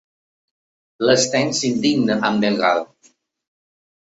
L'Sten s'indigna amb Delgado.